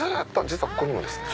実はここにもですね。